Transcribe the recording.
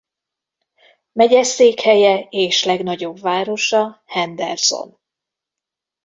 Megyeszékhelye és legnagyobb városa Henderson.